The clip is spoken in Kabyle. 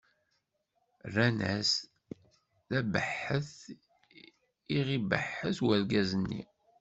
Rran-as: D abeḥḥet i ɣ-ibeḥḥet urgaz-nni.